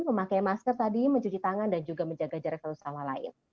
memakai masker tadi mencuci tangan dan juga menjaga jarak satu sama lain